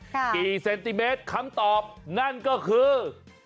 กี่เซนติเมตรคำตอบนั่นก็คือ